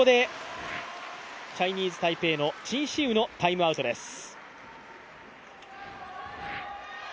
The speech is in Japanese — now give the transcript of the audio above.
チャイニーズ・タイペイの陳思羽のタイムアウトです。